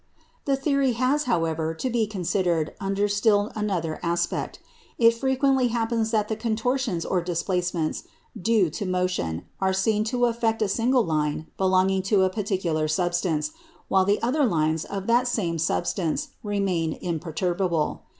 The theory has, however, to be considered under still another aspect. It frequently happens that the contortions or displacements due to motion are seen to affect a single line belonging to a particular substance, while the other lines of that same substance remain imperturbable.